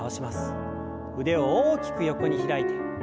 腕を大きく横に開いて。